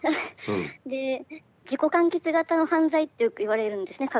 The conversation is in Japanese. で自己完結型の犯罪ってよくいわれるんですね。